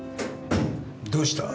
どうした？